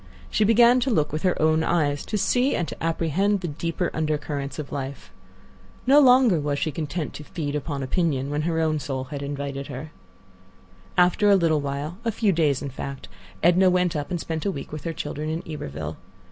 She began to look with her own eyes; to see and to apprehend the deeper undercurrents of life. No longer was she content to "feed upon opinion" when her own soul had invited her. After a little while, a few days, in fact, Edna went up and spent a week with her children in Iberville.